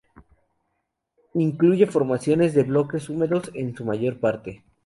Incluye formaciones de bosques húmedos, en su mayor parte.